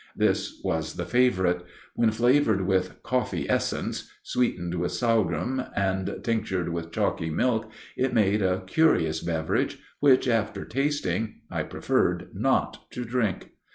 This was the favorite. When flavored with "coffee essence," sweetened with sorghum, and tinctured with chalky milk, it made a curious beverage which, after tasting, I preferred not to drink.